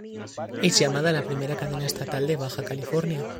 Es llamada la primera cadena estatal de Baja California.